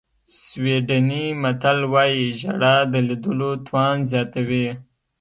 سویډني متل وایي ژړا د لیدلو توان زیاتوي.